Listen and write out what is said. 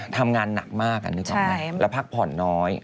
ทำงานหนักมากนึกออกไหมแล้วพักผ่อนน้อย